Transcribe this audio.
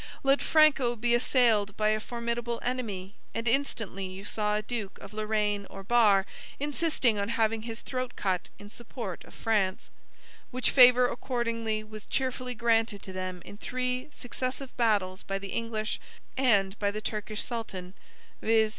Let Franco be assailed by a formidable enemy, and instantly you saw a Duke of Lorraine or Bar insisting on having his throat cut in support of France; which favor accordingly was cheerfully granted to them in three great successive battles by the English and by the Turkish sultan, viz.